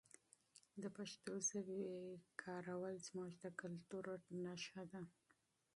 د پښتو ژبې استعمال زموږ د کلتور هویت دی.